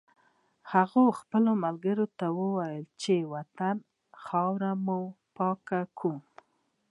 هغه خپلو ملګرو ته وویل چې د وطن خاورې مه پاکوئ